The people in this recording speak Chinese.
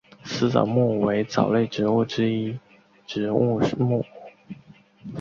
丝藻目为藻类植物之一植物目。